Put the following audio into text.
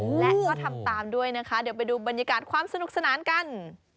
และก็ทำตามด้วยนะคะเดี๋ยวไปดูบรรยากาศความสนุกสนานกัน